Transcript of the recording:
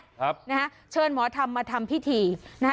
ครับนะฮะเชิญหมอธรรมมาทำพิธีนะฮะ